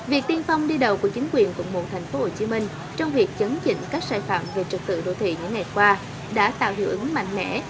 việc tiên phong đi đầu của chính quyền quận một thành phố hồ chí minh trong việc chấn chỉnh các sai phạm về trật tự đô thị những ngày qua đã tạo hiệu ứng mạnh mẽ